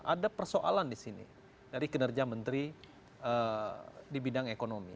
ada persoalan di sini dari kinerja menteri di bidang ekonomi